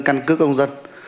căn cước công dân